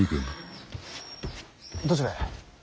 どちらへ。